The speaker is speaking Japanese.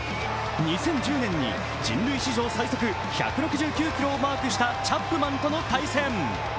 ２０１０年に人類史上最速１６９キロをマークしたチャップマンとの対戦。